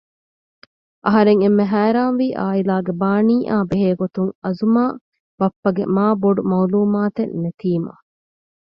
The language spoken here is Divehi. އަހަރެން އެންމެ ހައިރާންވީ އާއިލާގެ ބާނީއާ ބެހޭ ގޮތުން އަޒުމާ ބައްޕަގެ މާބޮޑު މައުލޫމާތެއް ނެތީމަ